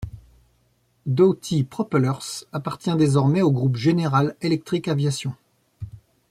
Dowty Propellers appartient désormais au groupe General Electric Aviation.